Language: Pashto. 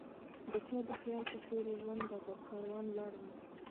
دچا د خیال په سیوری ژونده ؛ ترکاروان ولاړمه